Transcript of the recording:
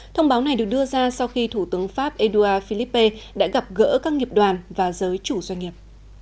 thông báo này được đưa ra sau khi thủ tướng pháp edouard philippe đã gặp gỡ các nghiệp đoàn và giới chủ doanh nghiệp